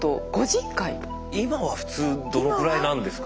今は普通どのぐらいなんですか？